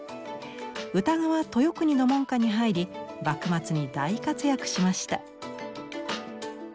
歌川豊国の門下に入り幕末に大活躍しました。